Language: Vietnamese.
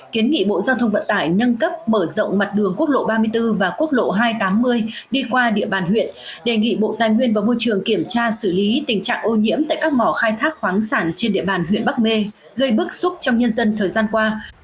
kiến nghị bộ giao thông vận tải nâng cấp mở rộng mặt đường quốc lộ ba mươi bốn và quốc lộ hai trăm tám mươi đi qua địa bàn huyện đề nghị bộ tài nguyên và môi trường kiểm tra xử lý tình trạng ô nhiễm tại các mỏ khai thác khoáng sản trên địa bàn huyện bắc mê gây bức xúc trong nhân dân thời gian qua